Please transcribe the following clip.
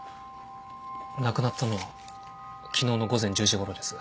亡くなったのは昨日の午前１０時ごろです。